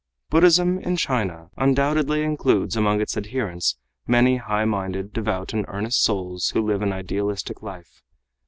Buddhism in China undoubtedly includes among its adherents many high minded, devout, and earnest souls who live an idealistic life.